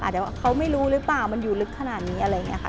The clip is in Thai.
อาจจะว่าเขาไม่รู้หรือเปล่ามันอยู่ลึกขนาดนี้อะไรอย่างนี้ค่ะ